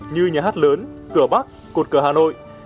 như nhà hát lớn cửa bắc cột cửa hà nội